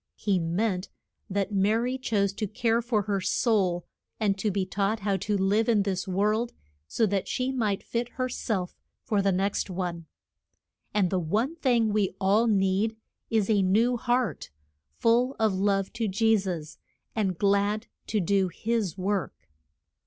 He meant that Ma ry chose to care for her soul, and to be taught how to live in this world, so that she might fit her self for the next one. And the one thing we all need is a new heart, full of love to Je sus and glad to do his work.